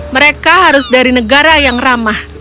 mereka harus dari negara yang ramah